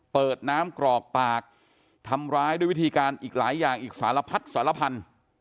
เปิดน้ำกรอกปากทำร้ายด้วยวิธีการอีกหลายอย่างอีกสารพัดสารพันธุ์